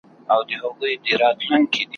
یابه هره ورځ دتیري په ارمان یې